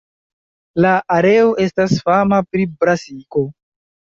La areo estas fama pri brasiko.